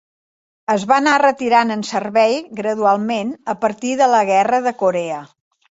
Es va anar retirant en servei gradualment a partir de la Guerra de Corea.